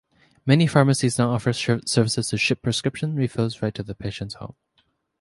Many pharmacies now offer services to ship prescription refills right to the patient's home.